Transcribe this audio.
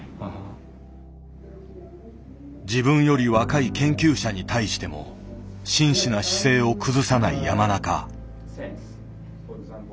自分より若い研究者に対しても真摯な姿勢を崩さない山中。